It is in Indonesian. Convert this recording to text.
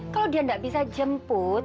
kalau dia tidak bisa jemput